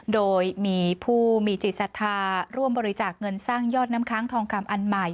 โดยมีผู้มีจิตศรัทธาร่วมบริจาคเงินสร้างยอดน้ำค้างทองคำอันใหม่